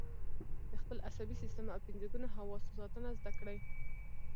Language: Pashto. د خپل عصبي سیستم او پنځه ګونو حواسو ساتنه زده کړئ.